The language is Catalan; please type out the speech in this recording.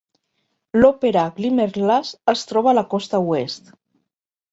L'òpera Glimmerglass es troba a la costa oest.